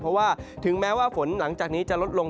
เพราะว่าถึงแม้ว่าฝนหลังจากนี้จะลดลง